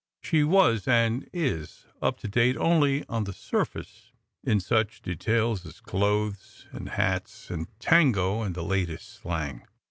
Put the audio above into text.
She was, and is, up to date only on the surface, in such details as clothes and hats, and tango, and the latest slang.